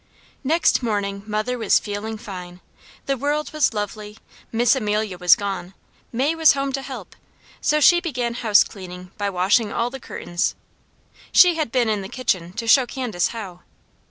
Next morning mother was feeling fine, the world was lovely, Miss Amelia was gone, May was home to help, so she began housecleaning by washing all the curtains. She had been in the kitchen to show Candace how.